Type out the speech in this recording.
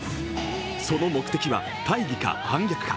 その目的は大義か、反逆か。